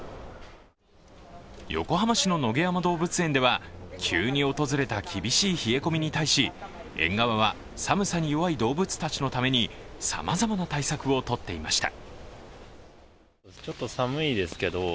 横浜市の野毛山動物園では、急に訪れた厳しい冷え込みに対し、園側は寒さに弱い動物たちのために、さまざまな対策をとっていました。